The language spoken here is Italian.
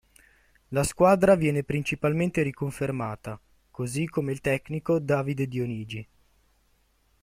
La squadra viene principalmente riconfermata, così come il tecnico Davide Dionigi.